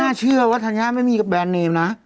เชื่อว่าธัญญาไม่มีกับแบรนดเนมนะ